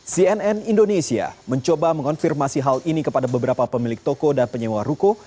cnn indonesia mencoba mengonfirmasi hal ini kepada beberapa pemilik toko dan penyewa ruko